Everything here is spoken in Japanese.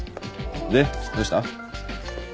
でどうした？